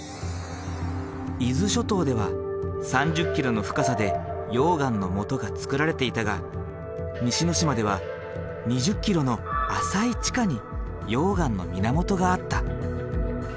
伊豆諸島では３０ｋｍの深さで溶岩のもとがつくられていたが西之島では２０ｋｍの浅い地下に溶岩の源があった。